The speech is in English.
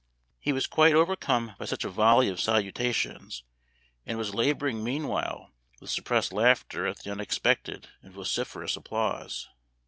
He was quite overcome by such a volley of salutations, and was labor ing meanwhile with suppressed laughter at the unexpected and vociferous applause.